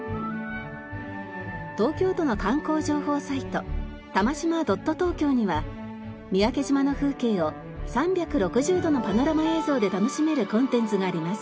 東京都の観光情報サイトＴＡＭＡＳＨＩＭＡ．ｔｏｋｙｏには三宅島の風景を３６０度のパノラマ映像で楽しめるコンテンツがあります。